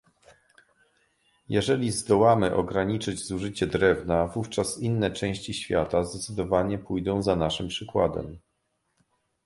Jeżeli zdołamy ograniczyć zużycie drewna, wówczas inne części świata zdecydowanie pójdą za naszym przykładem